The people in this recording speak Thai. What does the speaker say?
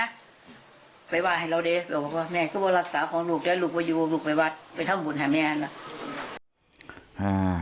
ลุกก็อยู่ไปวัดไปเท่าหมุนหาแม่